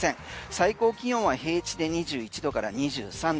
最高気温は平地で２１度から２３度。